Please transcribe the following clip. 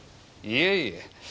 いえいえ。